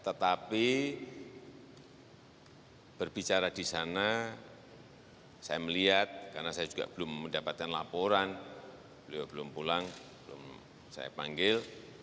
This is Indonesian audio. tetapi berbicara di sana saya melihat karena saya juga belum mendapatkan laporan beliau belum pulang belum saya panggil